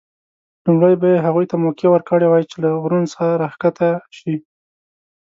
لومړی به یې هغوی ته موقع ورکړې وای چې له غرونو څخه راښکته شي.